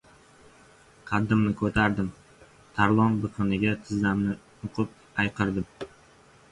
Qaddimni ko‘tardim, Tarlon biqiniga tizzamni nuqib ayqirdim.